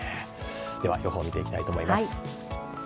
では予報を見ていきたいと思います。